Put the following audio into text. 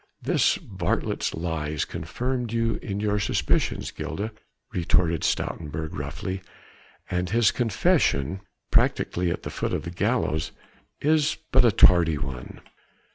"This varlet's lies confirmed you in your suspicions, Gilda," retorted Stoutenburg roughly, "and his confession practically at the foot of the gallows is but a tardy one."